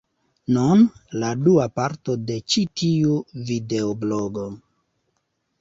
Nun, la dua parto de ĉi tiu videoblogo: